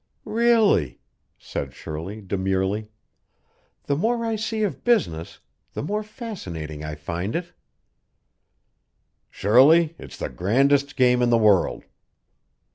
"Really," said Shirley, demurely, "the more I see of business, the more fascinating I find it." "Shirley, it's the grandest game in the world."